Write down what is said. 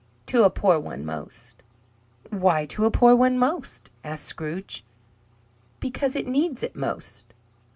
To a poor one most." "Why to a poor one most?" asked Scrooge. "Because it needs it most."